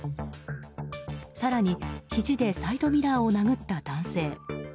更に、ひじでサイドミラーを殴った男性。